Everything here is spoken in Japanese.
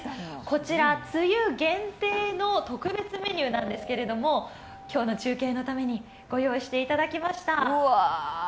こちら梅雨限定の特別メニューなんですけれども、今日の中継のためにご用意していただきました。